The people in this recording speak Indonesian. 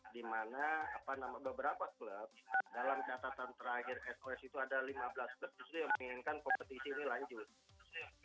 di mana beberapa klub dalam catatan terakhir fresh itu ada lima belas klub justru yang menginginkan kompetisi ini lanjut